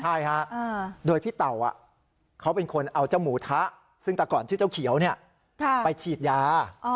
ใช่ฮะโดยพี่เต่าเขาเป็นคนเอาเจ้าหมูทะซึ่งแต่ก่อนชื่อเจ้าเขียวไปฉีดยา